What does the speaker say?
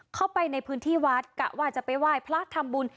เข้าไปในพื้นที่วัดกะว่าจะไปไหว้พระทำบุญ